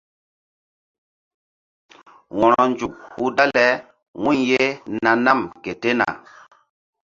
Wo̧ronzuk hul dale wu̧y ye na nam ke tena.